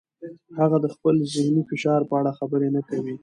هغه د خپل ذهني فشار په اړه خبرې نه کوي.